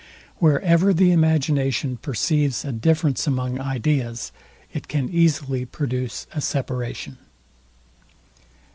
Where ever the imagination perceives a difference among ideas, it can easily produce a separation.